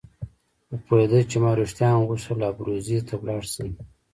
خو پوهېده چې ما رښتیا هم غوښتل ابروزي ته ولاړ شم.